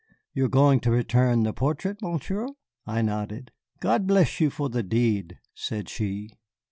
You are going to return the portrait, Monsieur?" I nodded. "God bless you for the deed," said she.